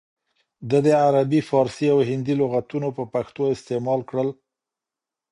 ده د عربي، فارسي او هندي لغاتونه په پښتو استعمال کړل